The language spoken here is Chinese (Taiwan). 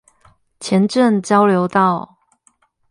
前鎮交流道